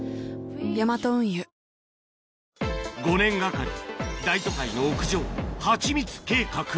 ヤマト運輸５年がかり大都会の屋上ハチミツ計画